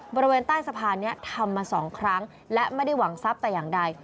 บริเวณใต้สะพานนี้ทำมา๒ครั้งและไม่ได้หวังทรัพย์แต่อย่างใด